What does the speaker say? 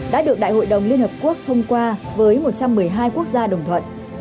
đã được đại hội đồng liên hợp quốc thông qua với một trăm một mươi hai quốc gia đồng thuận